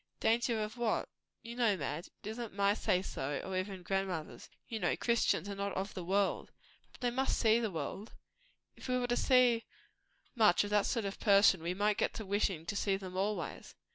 "Danger of what?" "You know, Madge, it is not my say so, nor even grandmother's. You know, Christians are not of the world." "But they must see the world." "If we were to see much of that sort of person, we might get to wishing to see them always."